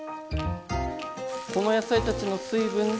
この野菜たちの水分で。